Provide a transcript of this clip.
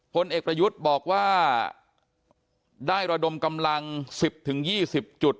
พลเอกประยุทธ์บอกว่าได้ระดมกำลัง๑๐๒๐จุด